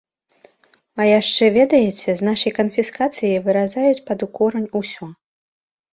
А яшчэ, ведаеце, з нашай канфіскацыяй выразаюць пад корань усё.